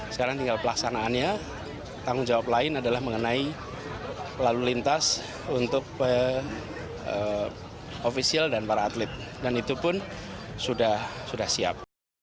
sekarang tinggal pelaksanaannya tanggung jawab lain adalah mengenai lalu lintas untuk ofisial dan para atlet dan itu pun sudah siap